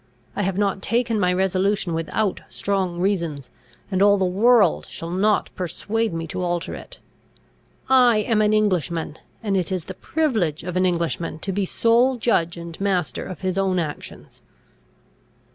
I have not taken my resolution without strong reasons; and all the world shall not persuade me to alter it. I am an Englishman, and it is the privilege of an Englishman to be sole judge and master of his own actions."